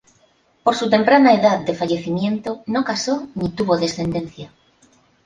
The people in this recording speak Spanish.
Por su temprana edad de fallecimiento no casó ni tuvo descendencia.